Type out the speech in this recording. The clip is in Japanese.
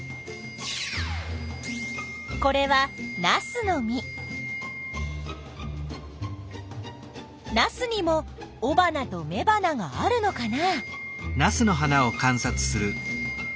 これはナスにもおばなとめばながあるのかな？